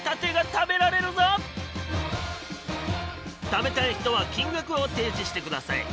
食べたい人は金額を提示してください。